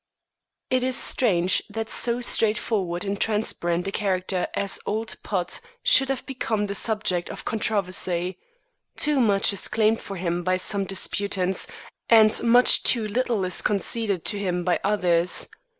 It is strange that so straightforward and transparent a character as "Old Put" should have become the subject of controversy. Too much is claimed for him by some disputants, and much too little is conceded to him by others.